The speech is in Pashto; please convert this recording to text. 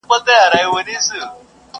هم ښایسته هم په ځان غټ هم زورور دی.!